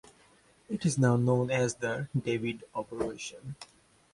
It is now known as the "David Operation".